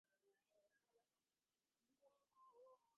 কয়েকজন বন্ধু আমাকে সাহায্য করিয়াছেন বলিয়া আমি কৃতজ্ঞ।